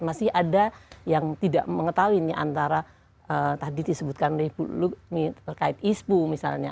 masih ada yang tidak mengetahuinya antara tadi disebutkan dari ibu lu terkait ispu misalnya